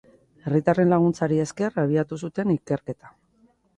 Herritarren laguntzari esker abiatu zuten ikerketa.